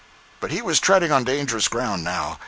But he was treading on dangerous ground, now.